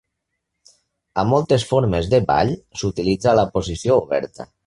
A moltes formes de ball s'utilitza la posició oberta.